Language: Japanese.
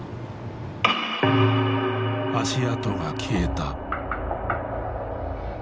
足跡が消えた。